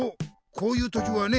こういう時はね